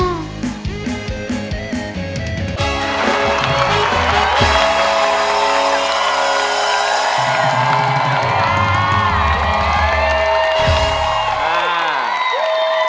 คนบอกจริงใจมันเสียเวลา